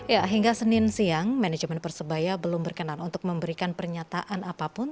ya hingga senin siang manajemen persebaya belum berkenan untuk memberikan pernyataan apapun